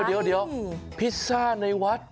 เดี๋ยวพิซซ่าในวัด